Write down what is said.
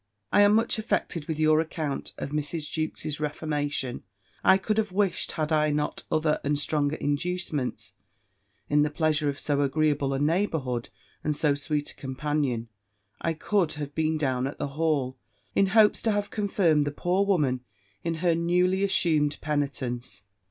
"I am much affected with your account of Mrs. Jewkes's reformation, I could have wished, had I not other and stronger inducements (in the pleasure of so agreeable a neighbourhood, and so sweet a companion), I could have been down at the Hall, in hopes to have confirmed the poor woman in her newly assumed penitence.